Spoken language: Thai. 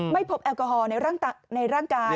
ไม่พบแอลกอฮอลในร่างกาย